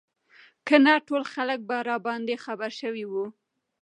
که نه ټول خلک به راباندې خبر شوي وو.